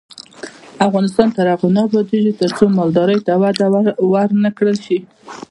افغانستان تر هغو نه ابادیږي، ترڅو مالدارۍ ته وده ورنکړل شي.